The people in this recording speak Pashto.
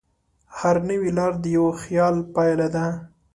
هره نوې لار د یوه خیال پایله ده.